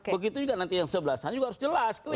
begitu juga nanti yang sebelah sana juga harus jelas